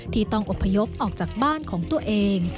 ที่ต้องอบพยพออกจากบ้านของตัวเอง